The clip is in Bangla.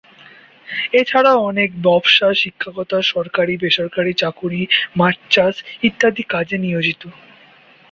এছাড়াও অনেকে ব্যবসা, শিক্ষকতা, সরকারি-বেসরকারি চাকুরি, মাছ চাষ, ইত্যাদি কাজে নিয়োজিত।